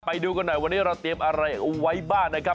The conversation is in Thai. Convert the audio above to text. ไปดูกันหน่อยวันนี้เราเตรียมอะไรเอาไว้บ้างนะครับ